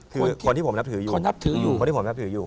คือคนที่ผมนับถืออยู่